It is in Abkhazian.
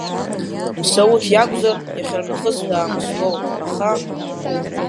Мсауҭ иакәзар, иахьарнахыс даамысҭоуп, аха…